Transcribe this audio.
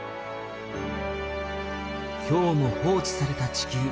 今日も放置された地球。